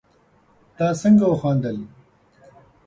تا څنګه وخندل